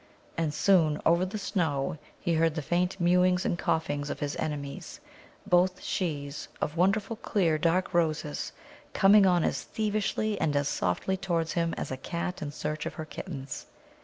And soon, over the snow, he heard the faint mewings and coughings of his enemies, both shes, of wonderful clear, dark Roses, coming on as thievishly and as softly towards him as a cat in search of her kittens.